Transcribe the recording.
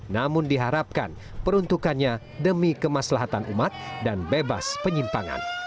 namun diharapkan peruntukannya demi kemaslahatan umat dan bebas penyimpangan